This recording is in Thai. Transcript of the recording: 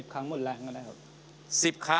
ครั้งหมดแรงก็ได้ครับ